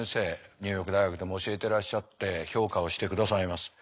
ニューヨーク大学でも教えてらっしゃって評価をしてくださいます。